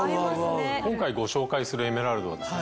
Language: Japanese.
今回ご紹介するエメラルドはですね